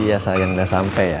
iya sayang udah sampe ya